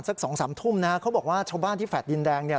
สองสามทุ่มนะฮะเขาบอกว่าชาวบ้านที่แฟลต์ดินแดงเนี่ย